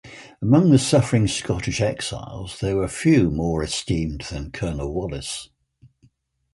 Among the suffering Scottish exiles there were few more esteemed than Colonel Wallace.